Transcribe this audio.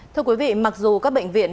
thưa quý vị mặc dù các bệnh viện